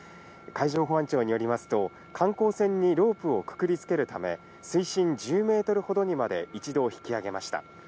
海上保安庁によりますと、観光船にロープをくくりつけるため、水深１０メートルほどにまで一度引き揚げました。